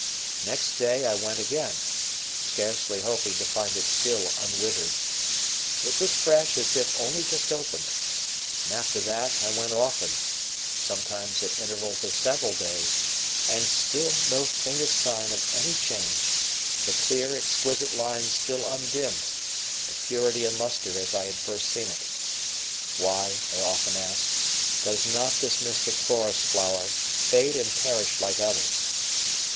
Next day I went again, scarcely hoping to find it still unwithered; it was fresh as if only just opened; and after that I went often, sometimes at intervals of several days, and still no faintest sign of any change, the clear, exquisite lines still undimmed, the purity and lustre as I had first seen it. Why, I often asked, does not this mystic forest flower fade and perish like others?